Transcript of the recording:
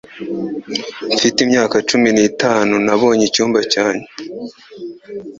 Mfite imyaka cumi n'itanu, nabonye icyumba cyanjye.